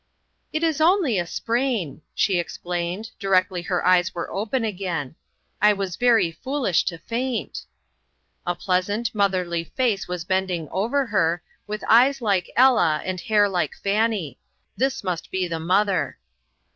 " It is only a sprain," she explained, di rectly her eyes were open again ;" I was very foolish to faint." A pleasant, motherly face was bending over her, with eyes like Ella and hair like Fannie; this must be the mother.